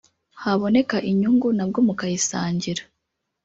haboneka inyungu na bwo mukayisangira